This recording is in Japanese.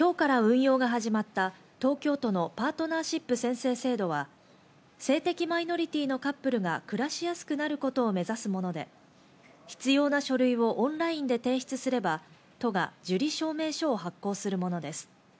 今日から運用が始まった東京都のパートナーシップ宣誓制度は性的マイノリティーのカップルが暮らしやすくなることを目指すもので、必要な書類をオンラインで提出すれば頭が受理証明書を発行するものです。